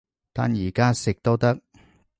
但而家食都得